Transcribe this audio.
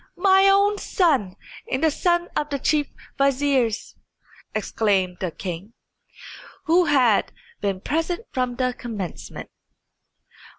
"My own son and the son of my chief vizier!" exclaimed the king, who had been present from the commencement.